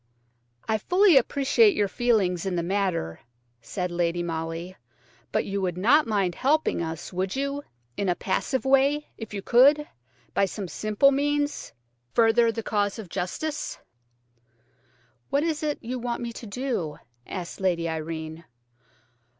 "I fully appreciate your feelings in the matter," said Lady Molly, "but you would not mind helping us–would you?–in a passive way, if you could, by some simple means, further the cause of justice." "What is it you want me to do?" asked Lady Irene.